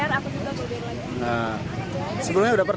tapi penelitiannya gak kelihatan modern